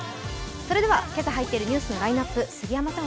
それでは今朝入っているニュースのラインナップ、杉山さん